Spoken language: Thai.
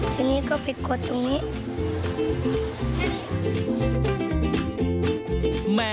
ทีนี้ก็ไปคดตรงนี้